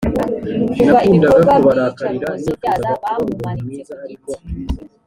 kuva ibikorwa byiyicarubozo byaza bamumanitse ku giti.